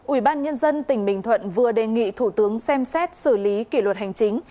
ủy ban nhân dân tỉnh bình thuận vừa đề nghị thủ tướng xem xét xử lý kỷ luật hành chính